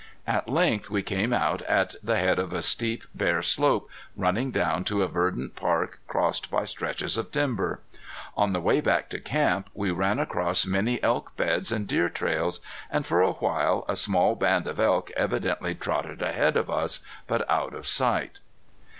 At length we came out at the head of a steep, bare slope, running down to a verdant park crossed by stretches of timber. On the way back to camp we ran across many elk beds and deer trails, and for a while a small band of elk evidently trotted ahead of us, but out of sight.